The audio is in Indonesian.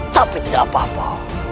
tapi tidak apa apa